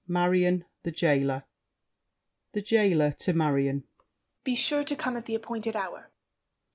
Marion, The Jailer THE JAILER (to Marion.) Be sure to come at the appointed hour.